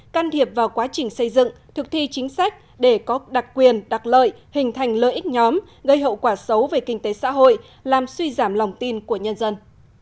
can thiệp vào quá trình xây dựng thực thi chính sách để có đặc quyền đặc lợi hình thành lợi ích nhóm gây hậu quả xấu về kinh tế xã hội làm suy giảm lòng tin của nhân dân